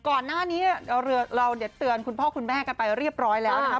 ก่อนหน้านี้ก็เดี๋ยวเรียบร้อยเราจะเตือนคุณพ่อคุณแม่กันไปเรียบร้อยแล้วนะครับ